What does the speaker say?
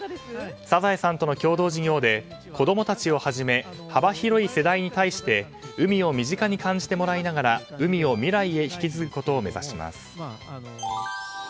「サザエさん」との共同事業で子供たちをはじめ幅広い世代に対して海を身近に感じてもらいながら海を未来へ引き継ぐことを目指します。